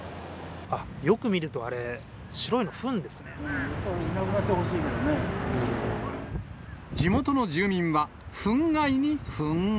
よく見るとあれ、白いの、そうだね、いなくなってほし地元の住民は、ふん害に憤慨。